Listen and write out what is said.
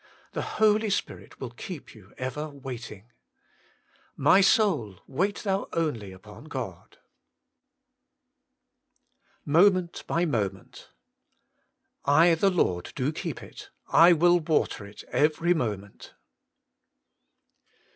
The Holy Spirit will keep you ever waiting. * My soulf wait thou only upon God/* 144 WAITING ON QDD/ MOMENT BY MOMENT.^ * I the Lord do keep it : Iwill water it every moment.'